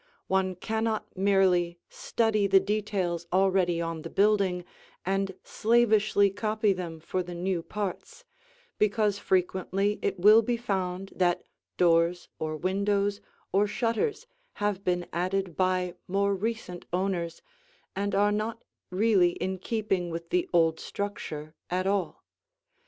One cannot merely study the details already on the building and slavishly copy them for the new parts, because frequently it will be found that doors or windows or shutters have been added by more recent owners and are not really in keeping with the old structure at all.